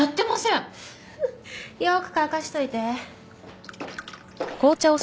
ははっよく乾かしといて。